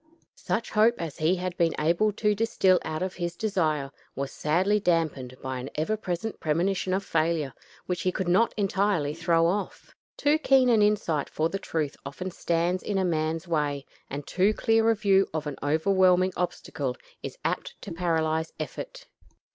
Such hope as he had been able to distil out of his desire was sadly dampened by an ever present premonition of failure, which he could not entirely throw off. Too keen an insight for the truth often stands in a man's way, and too clear a view of an overwhelming obstacle is apt to paralyze effort.